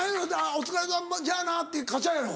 「お疲れさまじゃあな」カチャやろ？